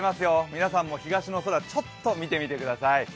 皆さんも東の空、ちょっと見てみてください。